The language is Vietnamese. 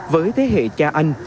với thế hệ cha anh